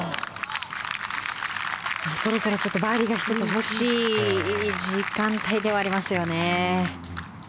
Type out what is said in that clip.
そろそろバーディーが１つ欲しい時間帯ではありますよね。